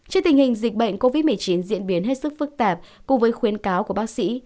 trước tình hình dịch bệnh covid một mươi chín diễn biến hết sức phức tạp cùng với khuyến cáo của bác sĩ